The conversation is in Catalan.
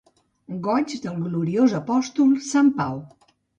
Goigs del Gloriós Apòstol sant Pau.